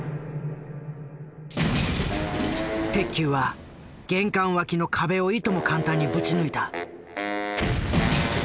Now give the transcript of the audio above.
鉄球は玄関脇の壁をいとも簡単にぶち抜いた。